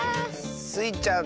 スイちゃん